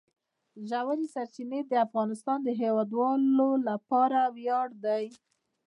ژورې سرچینې د افغانستان د هیوادوالو لپاره ویاړ دی.